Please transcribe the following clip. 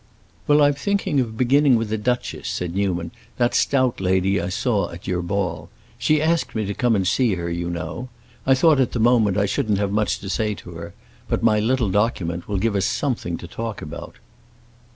"Well, I'm thinking of beginning with the duchess," said Newman; "that stout lady I saw at your ball. She asked me to come and see her, you know. I thought at the moment I shouldn't have much to say to her; but my little document will give us something to talk about."